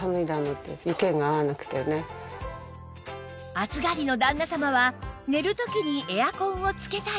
暑がりの旦那様は寝る時にエアコンをつけたい